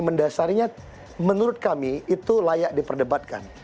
mendasarinya menurut kami itu layak diperdebatkan